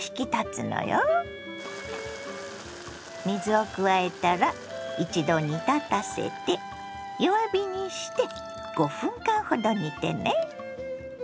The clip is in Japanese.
水を加えたら一度煮立たせて弱火にして５分間ほど煮てね。